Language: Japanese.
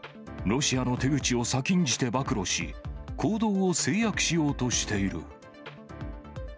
ロシアの手口を先んじて暴露し、行動を制約しようとしている。